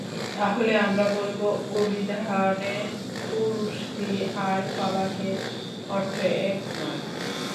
তাহলে আমরা বলব, অভিধানে কুরসী আর ফালাক-এর অর্থ এক নয়।